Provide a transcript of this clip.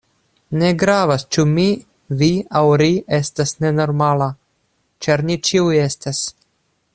Ne gravas ĉu mi, vi aŭ ri estas nenormala, ĉar ni ĉiuj estas.